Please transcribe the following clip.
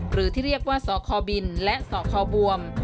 หรือที่เรียกว่าสคบินและสคบวม